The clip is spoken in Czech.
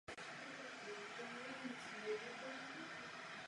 Jev se vyskytoval nad oceánem za bouřky a trval pouhou sekundu.